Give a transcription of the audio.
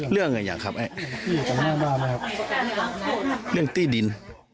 เรื่องตี้ดิน